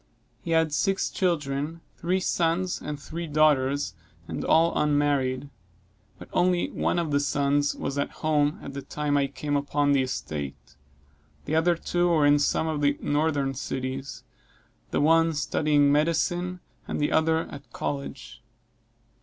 He had six children, three sons and three daughters, and all unmarried; but only one of the sons was at home, at the time I came upon the estate; the other two were in some of the northern cities the one studying medicine, and the other at college.